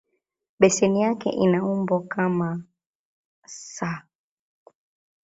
Beseni yake ina umbo kama "S".